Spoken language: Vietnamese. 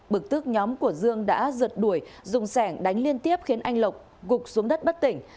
bực tức nhóm của dương đã giật đuổi dùng đánh liên tiếp khiến anh lộc gục xuống đất bất tỉnh